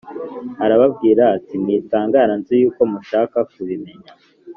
Arababwira ati mwitangara nzi yuko mushaka kubimenya